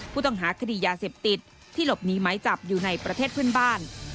ผู้ต้องหาคดียาเสพติดที่หลบหนีไม้จับอยู่ในประเทศเพื่อนบ้าน